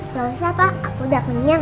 nggak usah pak aku udah kenyang